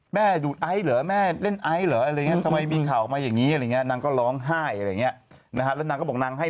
แม่หยุดไอซ์เหรอแม่เล่นไอซ์เหรอทำไมมีข่าวออกมาอย่างนี้นางก็ร้องไห้